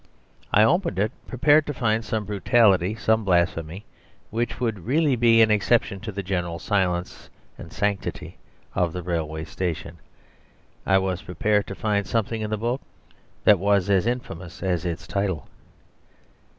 I opened it prepared to find some brutality, some blasphemy, which would really be an exception to the general silence and sanctity of the railway station. I was prepared to find something in the book that was as infamous as its title.